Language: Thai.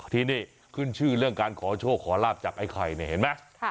ที่นี่ขึ้นชื่อเรื่องการขอโชคขอลาบจากไอ้ไข่เนี่ยเห็นไหม